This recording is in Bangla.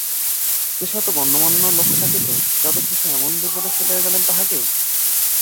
দেশে এত গণ্যমান্য লোক থাকিতে যাদব শেষে এমন বিপদে ফেলিয়া গেলেন তাহাকেই।